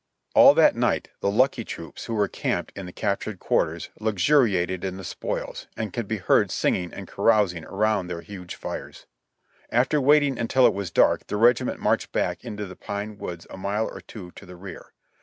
All that night the lucky troops who were camped in the cap tured quarters luxuriated in the spoils, and could be heard sing ing and carousing around their huge fires. After waiting until it was dark the regiment marched back into the pine woods a mile or two to the rear.